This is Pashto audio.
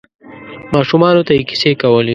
ماشومانو ته یې کیسې کولې.